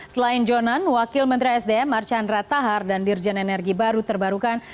selain jonan wakil menteri sdm marchandra tahar dan dirjen energi baru terbarukan